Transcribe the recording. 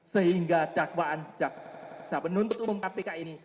sehingga dakwaan jaksa penuntut umum kpk ini